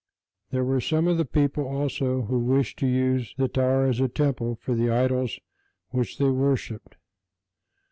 There were some of the people also who wished to use the tower as a temple for the idols which they worshiped.